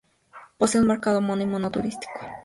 Posee un mercado homónimo no turístico.